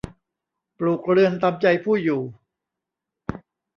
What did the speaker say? ปลูกเรือนตามใจผู้อยู่